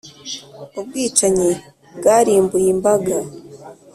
ubwicanyi bwarimbuye imbaga.